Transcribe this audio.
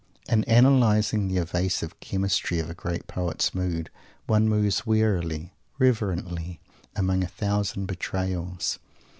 In analysing the evasive chemistry of a great poet's mood, one moves warily, reverently, among a thousand betrayals.